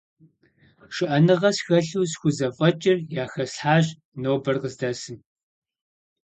ШыӀэныгъэ схэлъу схузэфӀэкӀыр яхэслъхьащ нобэр къыздэсым.